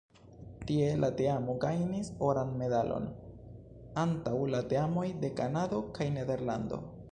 Tie la teamo gajnis oran medalon antaŭ la teamoj de Kanado kaj Nederlando.